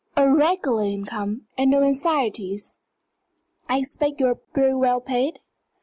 A regular income, and no anxieties. I expect you're pretty well paid?"